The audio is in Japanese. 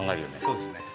そうですね。